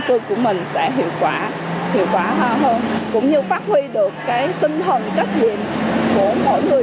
tư của mình sẽ hiệu quả hiệu quả hơn cũng như phát huy được cái tinh thần trách nhiệm của mỗi người